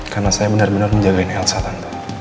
karena saya benar benar menjaga elsa tante